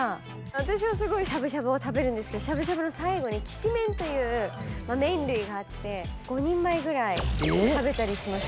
私はすごいしゃぶしゃぶを食べるんですけどしゃぶしゃぶの最後にきしめんという麺類があって５人前ぐらい食べたりします。